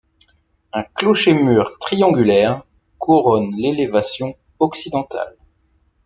Un clocher-mur triangulaire couronne l'élévation occidentale.